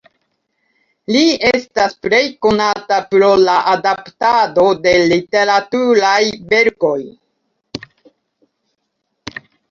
Li estas plej konata pro la adaptado de literaturaj verkoj.